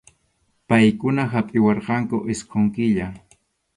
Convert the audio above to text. Paykuna hapʼiwarqanku isqun killa.